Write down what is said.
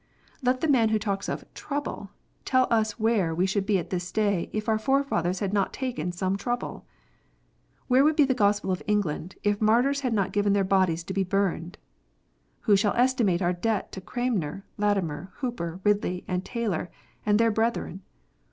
Let the man who talks of " trouble " tell us where we should be at this day, if our forefathers had not taken some trouble 1 Where would be the Gospel in England, if martyrs had not given their bodies to be burned ? "Who shall estimate our debt to Cranmer, Latimer, Hooper, Ridley, and Taylor, and their brethren?